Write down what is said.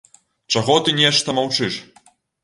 Чаго ты нешта маўчыш!